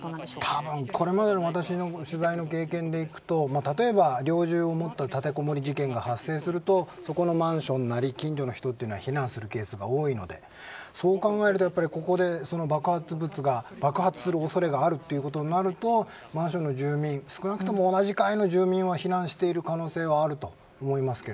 多分これまでの私の取材の経験でいくと例えば猟銃を持った立てこもり事件が発生するとそこのマンションなり近所の人は避難するケースが多いのでそう考えるとここで爆発物が爆発する恐れがあるっていうことになるとマンションの住民少なくとも同じ階の住民は非難している可能性はあると思いますが。